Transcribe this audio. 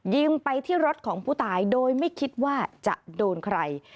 ยิงไปที่รถของผู้ตายโดยไม่คิดว่าจะโดนใคร